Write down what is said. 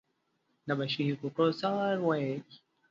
د بشري حقونو څار وايي.